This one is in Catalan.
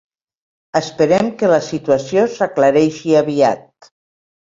Esperem que la situació s’aclareixi aviat.